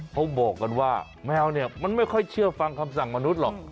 เขาบอกกันว่าแมวเนี่ยมันไม่ค่อยเชื่อฟังคำสั่งมนุษย์หรอก